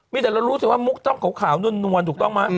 มีแต่เรารู้สึกว่ามุกต้องขาวนวลถูกต้องไหม